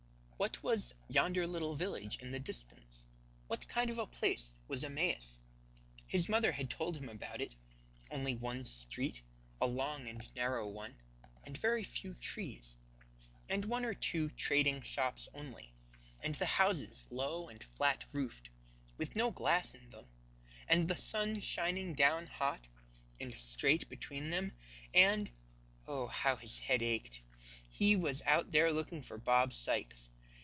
What was yonder little village in the distance? What kind of a place was Emmaus? His mother had told him about it; only one street, a long and narrow one; and very few trees; and one or two trading shops only; and the houses low and flat roofed, with no glass in them; and the sun shining down hot and straight between them, and (oh, how his head ached!) he was out there looking for Bob Sykes.